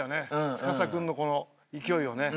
司君のこの勢いをね。